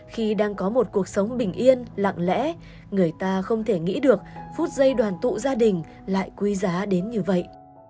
khi đang có một cuộc sống bình yên lặng lẽ người ta không thể nghĩ được phút giây đoàn tụ gia đình lại quý giá đến như vậy